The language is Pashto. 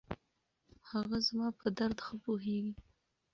هغه زما په درد ښه پوهېږي.